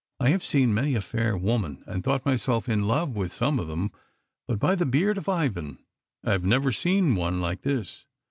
I have seen many a fair woman, and thought myself in love with some of them, but by the beard of Ivan, I have never seen one like this.